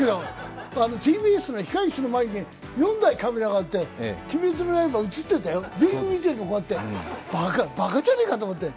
ＴＢＳの控え室の前に４台カメラがあって「鬼滅の刃」映っていたよ、全員、見てんね、バカじゃねえかと思って。